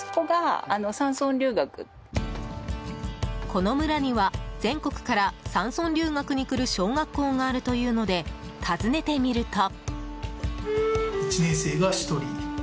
この村には全国から山村留学に来る小学校があるというので訪ねてみると。